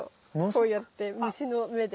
こうやって虫の目で。